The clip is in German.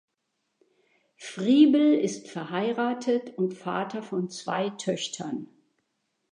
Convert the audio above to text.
Friebel ist verheiratet und Vater von zwei Töchtern.